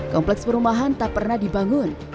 kompleks perumahan tak pernah dibangun